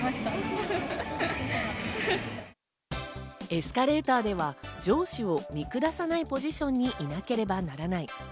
エスカレーターでは上司を見下さないポジションにいなければならない。